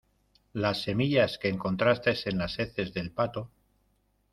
las semillas que encontraste en las heces del pato